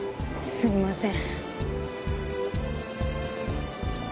すみません。